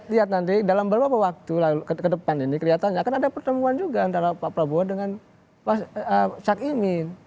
lihat nanti dalam beberapa waktu lalu ke depan ini kelihatannya akan ada pertemuan juga antara pak prabowo dengan pak cak imin